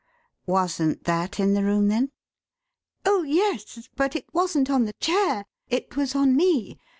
"Wasn't that in the room, then?" "Oh, yes, but it wasn't on the chair; it was on me.